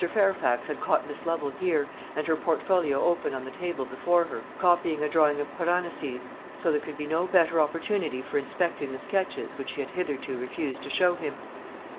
Fairfax had caught Miss Lovel here, with her portfolio open on the table before her, copying a drawing of Piranesi's; so there could be no better opportunity for inspecting the sketches, which she had hitherto refused to show him.